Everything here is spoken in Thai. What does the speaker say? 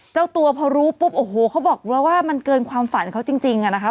เจ้าตัวพอรู้ปุ๊บโอ้โหเขาบอกว่ามันเกินความฝันเขาจริงอะนะคะ